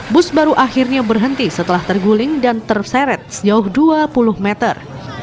bus baru akhirnya berhenti setelah terguling dan terseret sejauh dua puluh meter